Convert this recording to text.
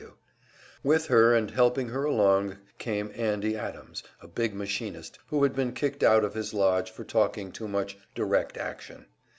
W. With her, and helping her along, came "Andy" Adams, a big machinist, who had been kicked out of his lodge for talking too much "direct action."